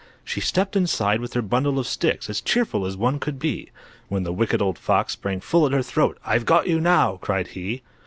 She stepped inside with her bundle of sticks, As cheerful as one could be, When the Wicked Old Fox sprang full at her throat. "I've got you now!" cried he.